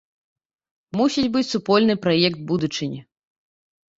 Мусіць быць супольны праект будучыні.